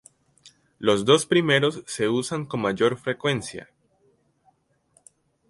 Los dos primeros se usan con mayor frecuencia.